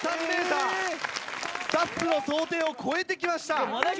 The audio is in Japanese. スタッフの想定を超えて来ました。